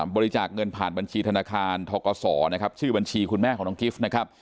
บริจาคเงินผ่านบัญชีธนาคารทกศนะครับชื่อบัญชีคุณแม่ของน้องกิฟต์นะครับ